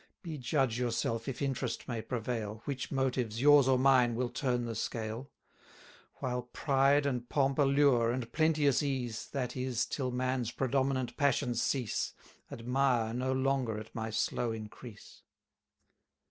Be judge yourself, if interest may prevail, Which motives, yours or mine, will turn the scale. While pride and pomp allure, and plenteous ease, That is, till man's predominant passions cease, Admire no longer at my slow increase.